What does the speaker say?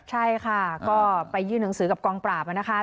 ใช่ค่ะก็ไปยื่นหนังสือกับกองปราบนะคะ